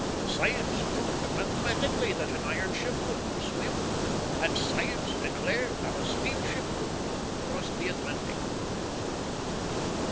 Science proved mathematically that an iron ship could not swim, and science declared that a steamship could not cross the Atlantic.